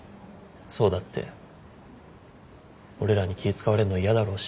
想だって俺らに気使われるの嫌だろうし。